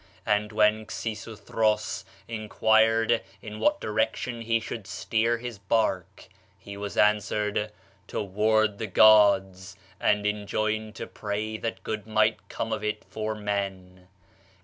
And when Xisuthros inquired in what direction he should steer his bark, he was answered, 'toward the gods,' and enjoined to pray that good might come of it for men.